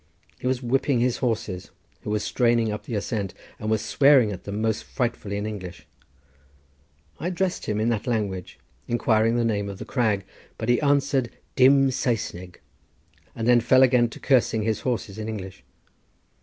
He was whipping his horses, who were straining up the ascent, and was swearing at them most frightfully in English. I addressed him in that language, inquiring the name of the crag, but he answered Dim Saesneg, and then again fell to cursing his horses in English.